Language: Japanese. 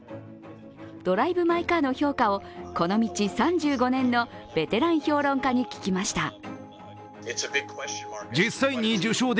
「ドライブ・マイ・カー」の評価をこの道３５年のベテラン評論家に聞きました。